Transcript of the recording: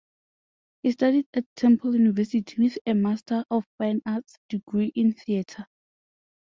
He studied at Temple University with a Master of Fine Arts degree in theatre.